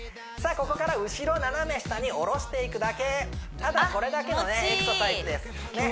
ここから後ろ斜め下に下ろしていくだけただこれだけのエクササイズですあっ